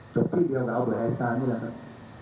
จบที่เดียวแล้วโดยไอสตาร์นี่แหละครับ